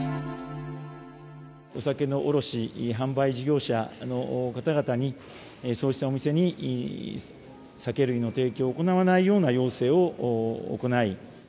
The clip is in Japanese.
お酒の卸販売事業者の方々に、そうしたお店に、酒類の提供を行わないような要請を行い。